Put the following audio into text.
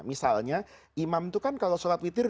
misalnya imam itu kan kalau sholat witir